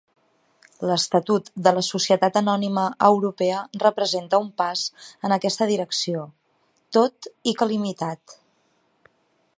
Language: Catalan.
L'Estatut de la Societat Anònima Europea representa un pas en aquesta direcció, tot i que limitat.